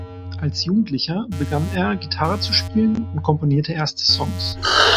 Als Jugendlicher begann er, Gitarre zu spielen und komponierte erste Songs.